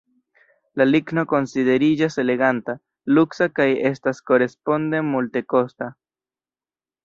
La ligno konsideriĝas eleganta, luksa kaj estas koresponde multekosta.